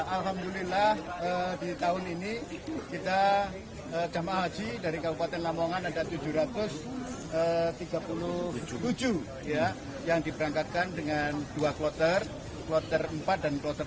alhamdulillah di tahun ini kita jemaah haji dari kabupaten lamongan ada tujuh ratus tiga puluh tujuh yang diberangkatkan dengan dua kloter kloter empat dan kloter